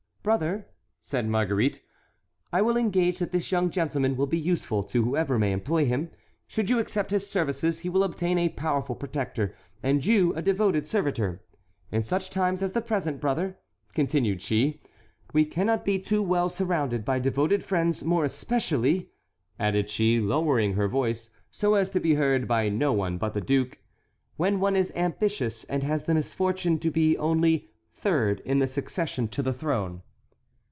"Brother," said Marguerite, "I will engage that this young gentleman will be useful to whoever may employ him. Should you accept his services, he will obtain a powerful protector, and you, a devoted servitor. In such times as the present, brother," continued she, "we cannot be too well surrounded by devoted friends; more especially," added she, lowering her voice so as to be heard by no one but the duke, "when one is ambitious, and has the misfortune to be only third in the succession to the throne."